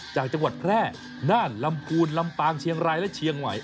จากจังหวัดแพร่น่านลำพูนลำปางเชียงรายและเชียงใหม่